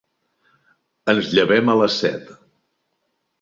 Ens llevem a les set.